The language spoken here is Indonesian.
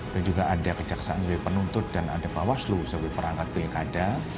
juga ada kejaksaan sebagai penuntut dan ada bawaslu sebagai perangkat pilkada